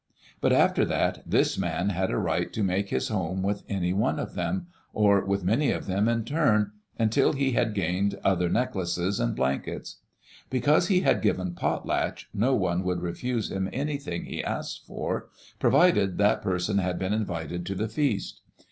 But after that, this man had a right to make his home with any one of them, or with many of them in turn, until he had gained other necklaces and blankets. Because he had given potlatch, no one would refuse him anything he asked for, provided that person had been invited to the feast.